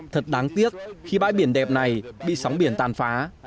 thật đáng tiếc khi bãi biển đẹp này bị sóng biển tàn phá